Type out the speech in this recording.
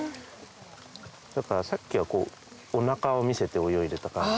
だからさっきはおなかを見せて泳いでた感じ。